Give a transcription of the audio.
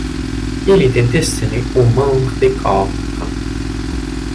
Il était destiné aux membres des corps francs.